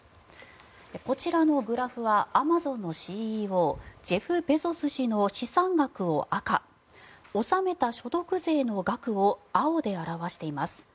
こちらのグラフはアマゾンのＣＥＯジェフ・ベゾス氏の資産額を赤納めた所得税の額を青で表しています。